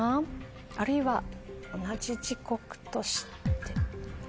あるいは同じ時刻として。